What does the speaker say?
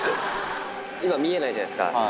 今、見えないじゃないですか。